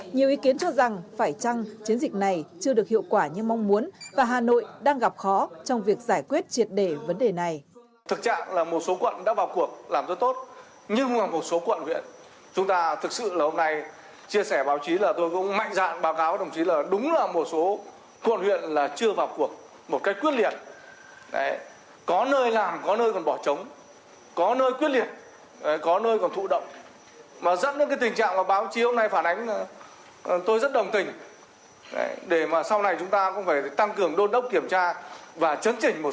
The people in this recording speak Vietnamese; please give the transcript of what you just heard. nhiều ý kiến cho rằng phải chăng chiến dịch này chưa được hiệu quả như mong muốn và hà nội đang gặp khó trong việc giải quyết triệt để vấn đề này